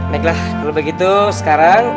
baiklah kalau begitu sekarang